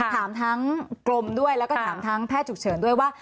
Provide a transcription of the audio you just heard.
ถามทั้งกรมด้วยแล้วก็ถามทั้งแพทย์ฉุกเฉินด้วยว่า